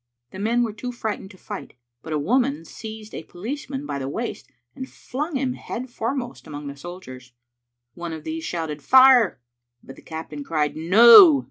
The men were too fright ened to fight, but a woman seized a policeman by the waist and flung him head foremost among the soldiers. One of these shouted "Fire!" but the captain cried " No.